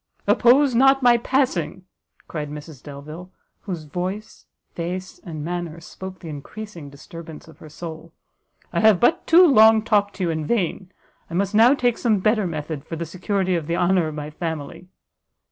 "Oppose not my passing!" cried Mrs Delvile, whose voice, face and manner spoke the encreasing disturbance of her soul; "I have but too long talked to you in vain; I must now take some better method for the security of the honour of my family."